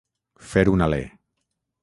Fer un alè.